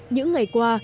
những ngày qua